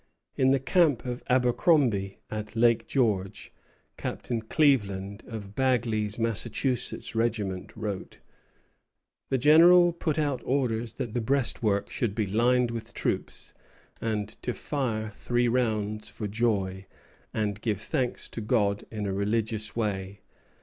In the camp of Abercromby at Lake George, Chaplain Cleaveland, of Bagley's Massachusetts regiment, wrote: "The General put out orders that the breastwork should be lined with troops, and to fire three rounds for joy, and give thanks to God in a religious way."